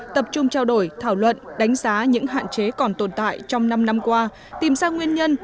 tập trung trao đổi thảo luận đánh giá những hạn chế còn tồn tại trong năm năm qua tìm ra nguyên nhân